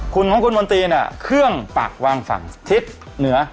คุณของคุณมนตรีเนี่ยเครื่องปักวางฝั่งทิศเหนือ